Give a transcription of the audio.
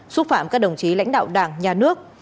xúc phạm các đồng chí lãnh đạo đảng nhà nước